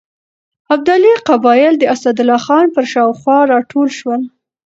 ابدالي قبایل د اسدالله خان پر شاوخوا راټول شول.